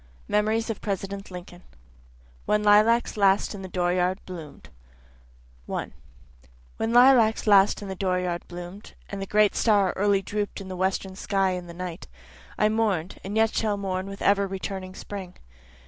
MEMORIES OF PRESIDENT LINCOLN When Lilacs Last in the Dooryard Bloom'd 1 When lilacs last in the dooryard bloom'd, And the great star early droop'd in the western sky in the night, I mourn'd, and yet shall mourn with ever returning spring.